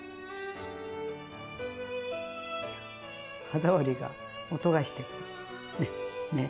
歯触りが音がしてる。ね。